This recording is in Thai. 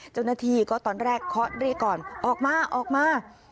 เจ้าหน้าที่ก็ตอนแรกเคาะเรียกก่อนออกมาออกมา